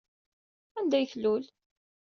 Anda ay tlul?